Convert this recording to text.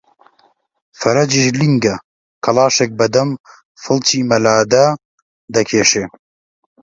فەرەجیش لینگە کەڵاشێک بە دەم و فڵچی مەلادا دەکێشێ